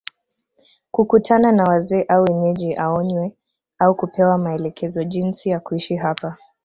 kukutana na Wazee au Wenyeji aonywe au kupewa maelekezo jinsi ya kuishi hapa